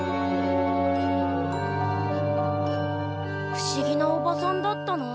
ふしぎなおばさんだったなあ。